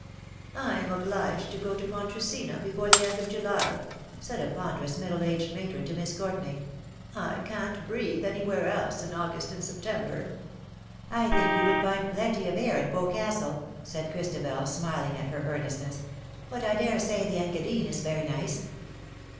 " I am obliged to go to Pontresina before the end of July/' said a ponderous middle aged matron to Miss Courtenay. " I can^t breathe any where else in August and September." '^ I think you would find plenty of air at Bos castle/" said Christabelj smiling at her earnestness ;*^ but I dare say the Engadine is very nice!'